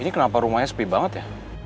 ini kenapa rumahnya sepi banget ya